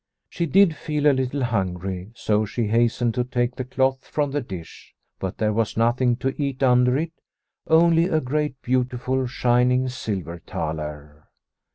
She did feel a little hungry, so she hastened to take the cloth from the dish. But there was nothing to eat under it, only a great, beautiful, shining silver thaler.